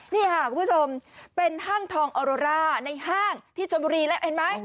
นี่ค่ะคุณผู้ชมเป็นห้างทองออโรร่าในห้างที่ชนบุรีแล้วเห็นไหม